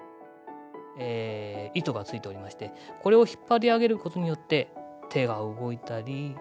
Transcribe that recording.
糸がついておりましてこれを引っ張り上げることによって手が動いたり。